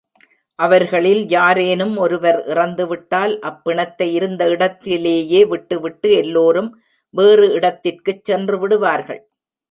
அவர்களில் யாரேனும் ஒருவர் இறந்துவிட்டால், அப்பிணத்தை இருந்த இடத்திலேயே விட்டுவிட்டு எல்லோரும் வேறு இடத்திற்குச் சென்று விடுவார்கள்.